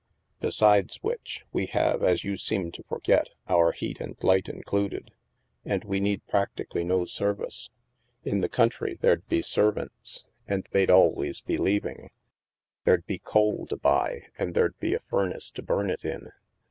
Beside which, we have, as you seem to forget, our heat and light included. And we need practically no service. In the country, there'd be servants, and 194 THE MASK they'd always be leaving. There'd be coal to buy, and there'd be a furnace to bum it in.